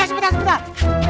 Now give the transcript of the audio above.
eh sebentar sebentar